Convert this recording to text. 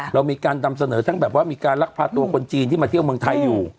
เรามีการนำเสนอทั้งแบบว่ามีการลักพาตัวคนจีนที่มาเที่ยวเมืองไทยอยู่